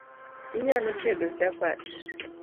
Inyalo tedo chapat